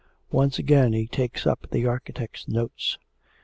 Once again he takes up the architect's notes.